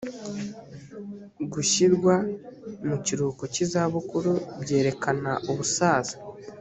gushyirwa mu kiruhuko cy izabukuru byerekana ubusaza.